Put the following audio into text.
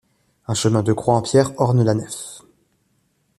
Un chemin de croix en pierre orne la nef.